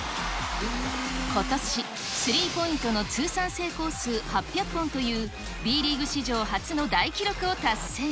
ことし、スリーポイントの通算成功数８００本という、Ｂリーグ史上初の大記録を達成。